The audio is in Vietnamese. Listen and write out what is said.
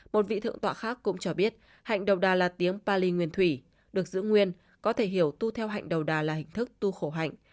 một vị thượng tọa khác cũng cho biết hạnh đầu đà là tiếng pali nguyên thủy được giữ nguyên có thể hiểu tu theo hạnh đầu đà là hình thức tu khổ hạnh